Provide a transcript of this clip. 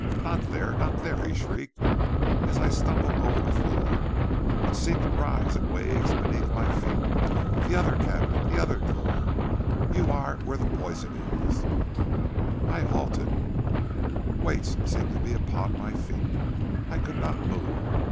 Not there, not there!' he shrieked, as I stumbled over the floor, which seemed to rise in waves beneath my feet. 'The other cabinet, the other drawer; you are where the poison is.' "I halted; weights seemed to be upon my feet; I could not move.